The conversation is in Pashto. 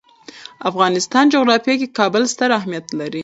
د افغانستان جغرافیه کې کابل ستر اهمیت لري.